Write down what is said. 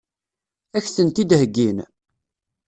Ad k-tent-id-heggin?